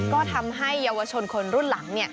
ก็ทำให้เยาวชนคนรุ่นหลัง